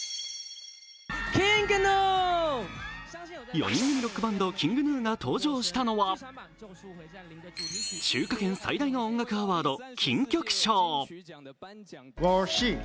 ４人組ロックバンド・ＫｉｎｇＧｎｕが登場したのは中華圏最大の音楽アワード金曲奨。